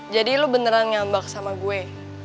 jadi lu beneran nyambak sama gue